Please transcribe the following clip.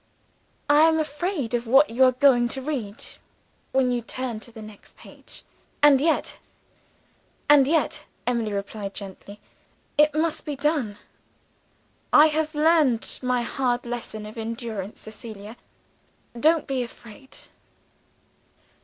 I am afraid of what you are going to read, when you turn to the next page. And yet " "And yet," Emily replied gently, "it must be done. I have learned my hard lesson of endurance, Cecilia, don't be afraid."